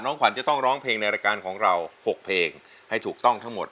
ขวัญจะต้องร้องเพลงในรายการของเรา๖เพลงให้ถูกต้องทั้งหมด